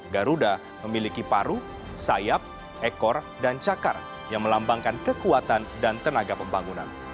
garuda memiliki paru sayap ekor dan cakar yang melambangkan kekuatan dan tenaga pembangunan